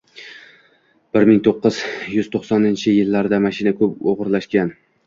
Bir ming to'qqiz yuz to'qsoninchi yillarda mashina ko'p o‘g‘irlashgan